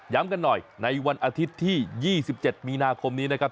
กันหน่อยในวันอาทิตย์ที่๒๗มีนาคมนี้นะครับ